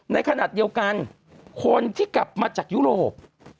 ในขณะเดียวกันคนที่กลับมาจากยุโรป